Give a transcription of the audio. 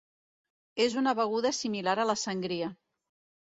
És una beguda similar a la sangria.